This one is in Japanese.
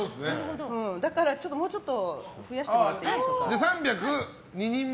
だから、もうちょっと増やしてもらいましょうか。